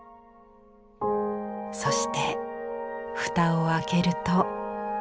そして蓋を開けると。